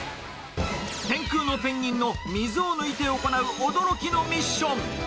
天空のペンギンの、水を抜いて行う、驚きのミッション。